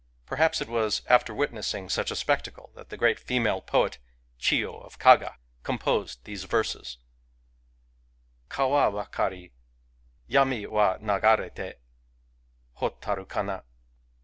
Per ; haps it was after witnessing such a spectacle that the I great female poet, Chiyo of Kaga, composed these l verses :— Kawa bakari, Yami wa nagarete —? Hotaru kana